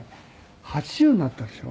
８０になったでしょ。